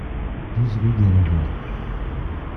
douze rue des Revers